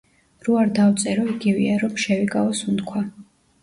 რო არ დავწერო იგივეა რომ შევიკავო სუნთქვა